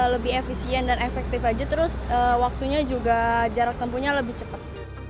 lebih efisien dan efektif aja terus waktunya juga jarak tempuhnya lebih cepat